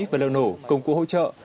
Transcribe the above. và điều nổ công cụ hỗ trợ